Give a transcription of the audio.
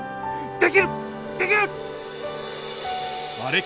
できる！